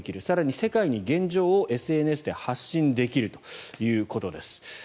更に世界に現状をＳＮＳで発信できるということです。